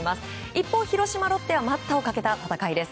一方、広島・ロッテは待ったをかけた戦いです。